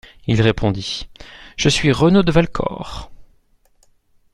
Il répondit : —«Je suis Renaud de Valcor.